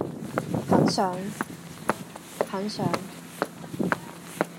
很想....很想....